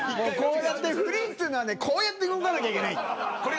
こうやってフリーというのはこうやって動かなきゃいけない